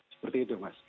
seperti itu mas